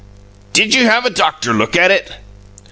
"Did you have a doctor look at it?"